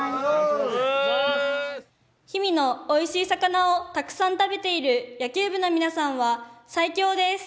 氷見のおいしい魚をたくさん食べている野球部のみなさんは最強です！